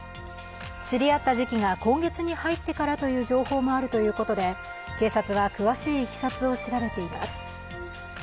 知り合った時期が今月に入ってからという情報もあるということで、警察は詳しいいきさつを調べています。